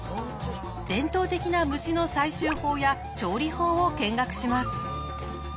伝統的な虫の採集法や調理法を見学します。